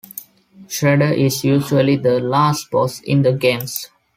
Shredder is usually the last boss in the games.